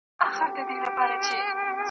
د ايمل بابا دغرونو .